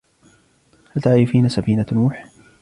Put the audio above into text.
هل تعرفين سفينة نوح؟